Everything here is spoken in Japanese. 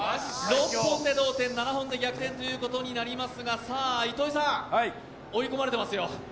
６本で同点、７本で逆転ということになりますがさあ、糸井さん、追い込まれてますよ。